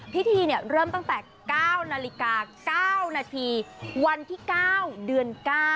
พิธีเริ่มตั้งแต่๙นาฬิกา๙นาทีวันที่๙เดือน๙